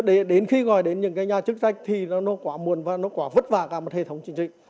để đến khi gọi đến những cái nhà chức trách thì nó quá muộn và nó quá vất vả cả một hệ thống chính trị